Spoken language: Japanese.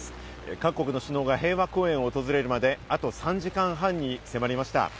各国の首脳が平和公園を訪れるまであと３時間半に迫りました。